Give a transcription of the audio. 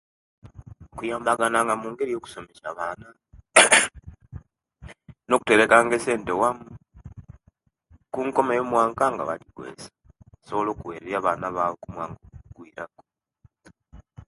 Kuyambagana nga mungeri yokusomesa baana nokuterekanga esente wamu kunkomio yomwaka nga bajikozesa okuwereria abaana kumwanka ogwiraku